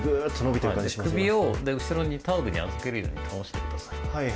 首を後ろにタオルに預けるように倒してください。